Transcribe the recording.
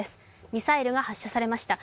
ミサイルが発射されました。